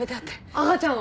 赤ちゃんは！？